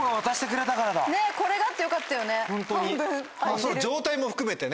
その状態も含めてね。